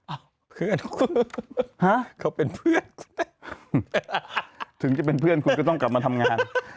อ่ะเพื่อนคุณฮะเขาเป็นเพื่อนถึงจะเป็นเพื่อนคุณก็ต้องกลับมาทำงาน